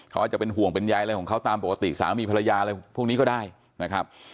เขาอาจจะเป็นห่วงเป็นใยอะไรของเขาตามปกติสามีภรรยาอะไรพวกนี้ก็ได้นะครับ